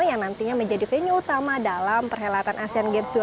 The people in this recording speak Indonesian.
yang nantinya menjadi venue utama dalam perhelatan asean games dua ribu delapan